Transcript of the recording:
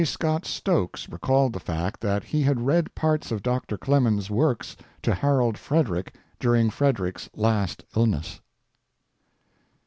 Scott Stokes recalled the fact that he had read parts of Doctor Clemens's works to Harold Frederic during Frederic's last illness.